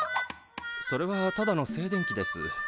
それはただの静電気です。